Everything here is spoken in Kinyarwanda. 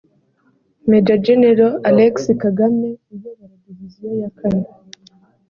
Maj Gen Alexis Kagame uyobora Diviziyo ya kane